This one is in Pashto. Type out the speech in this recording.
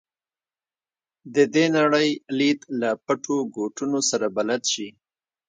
د دې نړۍ لید له پټو ګوټونو سره بلد شي.